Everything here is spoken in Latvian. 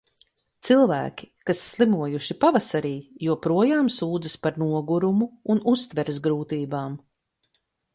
Cilvēki, kas slimojuši pavasarī, joprojām sūdzas par nogurumu un uztveres grūtībām.